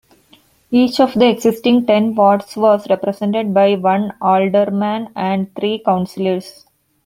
Each of the existing ten wards was represented by one alderman and three councillors.